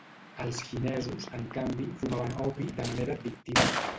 Els xinesos, en canvi, fumaven opi de manera addictiva.